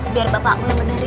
biar bapakmu yang menerim